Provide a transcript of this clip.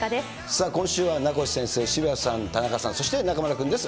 さあ、今週は、名越先生、渋谷さん、そして中丸君です。